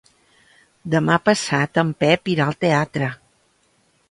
Demà passat en Pep irà al teatre.